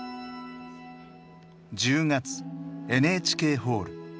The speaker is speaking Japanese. １０月ＮＨＫホール。